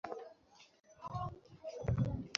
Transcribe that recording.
আমি তাকে পথ দেখিয়ে দিব।